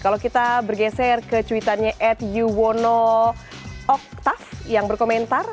kalau kita bergeser ke cuitannya etyuwonooktaf yang berkomentar